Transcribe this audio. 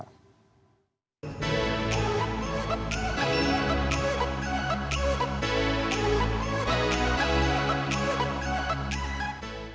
kedua kondisi pencuri data